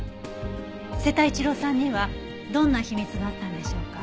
瀬田一郎さんにはどんな秘密があったんでしょうか？